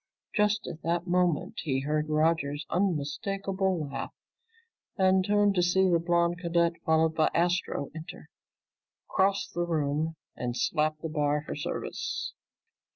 Just at that moment he heard Roger's unmistakable laugh and turned to see the blond cadet, followed by Astro, enter, cross the room, and slap the bar for service.